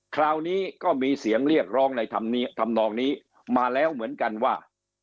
คราวนี้ก็มีเสียงเรียกร้องในธรรมนองนี้มาแล้วเหมือนกันว่า